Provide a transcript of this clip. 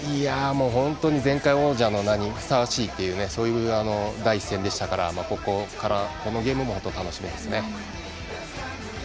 本当に前回王者の名にふさわしいそういう第１戦でしたからこのゲームも楽しみですね。